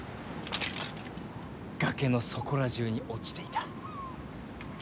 崖のそこら中に落ちていた。